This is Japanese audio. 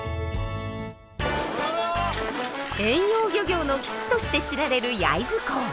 遠洋漁業の基地として知られる焼津港。